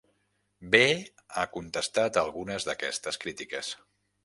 Behe ha contestat a algunes d'aquestes crítiques.